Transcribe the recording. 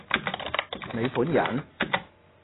你本人？